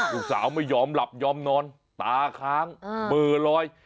ลูกสาวไม่ยอมหลับยอมนอนตาค้างเบอร์ลอย